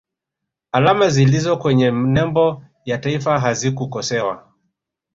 alama zilizo kwenye nembo ya taifa hazikukosewa